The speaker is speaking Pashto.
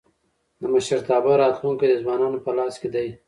د مشرتابه راتلونکی د ځوانانو په لاس کي دی.